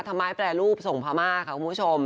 ทำไมแปรรูปส่งพม่าค่ะคุณผู้ชม